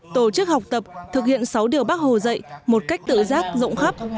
tổ chức học tập thực hiện sáu điều bác hồ dạy một cách tự giác rộng khắp